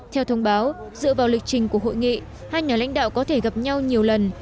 theo thông báo dựa vào lịch trình của hội nghị hai nhà lãnh đạo có thể gặp nhau nhiều lần